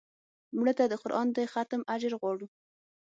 مړه ته د قرآن د ختم اجر غواړو